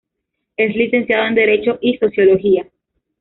Es licenciado en Derecho y Sociología.